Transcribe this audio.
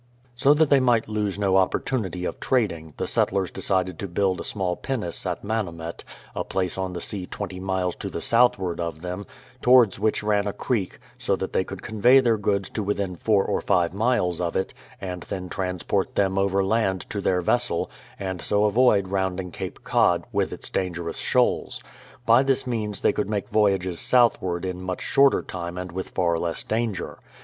So that they might lose no opportunity of trading, the settlers decided to build a small pinnace at Manomet, a place on the sea 20 miles to the southward of them, to wards which ran a creek, so that they could convey their goods to within four or five miles of it, and then transport them over land to their vessel, and so avoid rounding Cape Cod, with its dangerous shoals. By this means they could make voyages southward in much shorter time and with far less danger.